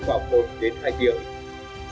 khoảng một đến hai tiếng